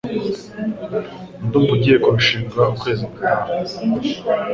Ndumva agiye kurushinga ukwezi gutaha